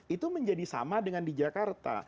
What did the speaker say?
itu menjadi sama dengan di jakarta